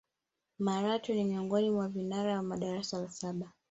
malatwe ni miongoni mwa vinara wa darasa la saba